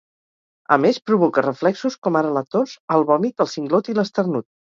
A més, provoca reflexos com ara la tos, el vòmit, el singlot i l'esternut.